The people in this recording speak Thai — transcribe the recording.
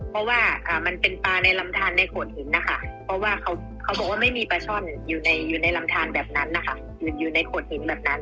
เพราะว่ามันเป็นปลาในลำทานในโขดหินนะคะเพราะว่าเขาเขาบอกว่าไม่มีปลาช่อนอยู่ในอยู่ในลำทานแบบนั้นนะคะ